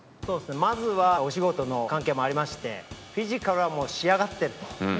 まずはお仕事の関係もありましてフィジカルはもう仕上がってると。